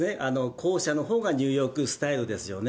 後者のほうがニューヨークスタイルですよね。